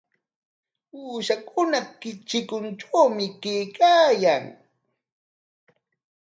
Uushakuna chikuntrawmi kaykaayan.